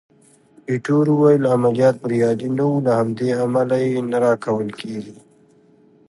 ایټور وویل: عملیات بریالي نه وو، له همدې امله یې نه راکول کېږي.